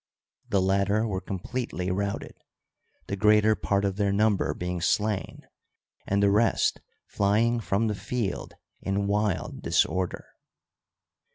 The latter were completely routed, the greater part of their number being slain and the rest flying from the field in wild disorder.